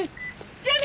じゃあね！